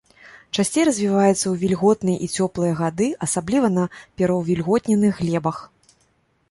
Часцей развіваецца ў вільготныя і цёплыя гады, асабліва на пераўвільготненых глебах.